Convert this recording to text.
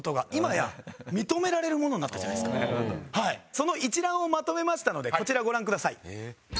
その一覧をまとめましたのでこちらご覧ください。